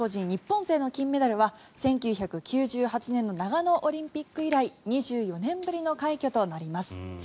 日本勢の金メダルは１９９８年の長野オリンピック以来２４年ぶりの快挙となります。